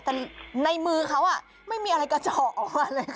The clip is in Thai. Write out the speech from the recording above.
แต่ในมือเขาไม่มีอะไรกระเจาะออกมาเลย